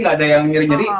gak ada yang nyeri nyeri